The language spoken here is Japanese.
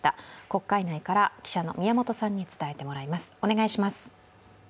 国会内から記者の宮本さんに伝えてもらいます。